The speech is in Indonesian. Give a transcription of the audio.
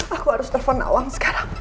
aku harus telfon nawang sekarang